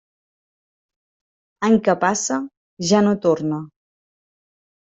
Any que passa, ja no torna.